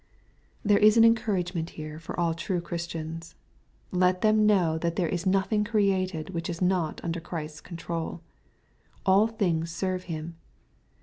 There is encouragement here for all true Christians. Let them know that there is nothing created, which is not under Christ's control. "All things serve Him."